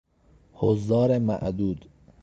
حضار معدود